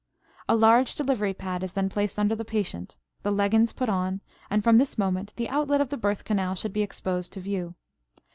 A large delivery pad is then placed under the patient, the leggins put on, and, from this moment, the outlet of the birth canal should be exposed to view.